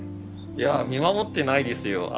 いや見守ってないですよ。